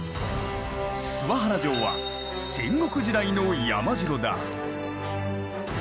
諏訪原城は戦国時代の山城だ。